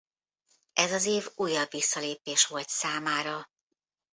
Ez az év újabb visszalépés volt számára.